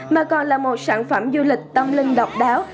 mà còn là một sản phẩm du lịch tâm linh độc đáo